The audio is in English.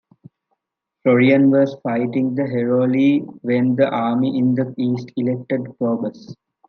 Florian was fighting the Heruli when the army in the East elected Probus.